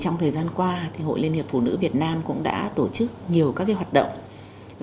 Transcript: trong thời gian qua thì hội liên hiệp phụ nữ việt nam cũng đã tổ chức nhiều các cái mối chung như vậy